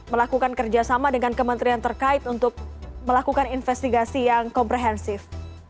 melakukan kerjasama dengan kementerian terkait untuk melakukan investigasi yang komprehensif